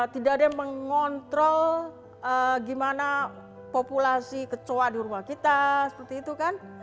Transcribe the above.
tidak ada yang mengontrol gimana populasi kecoa di rumah kita seperti itu kan